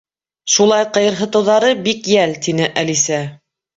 —Шулай ҡыйырһытыуҙары бик йәл, —тине Әлисә.